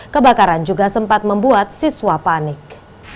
kebakaran juga sempat membuat siswa panik